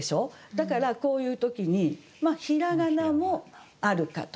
だからこういう時に平仮名もあるかと。